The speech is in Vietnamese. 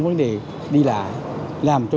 vấn đề đi lại làm cho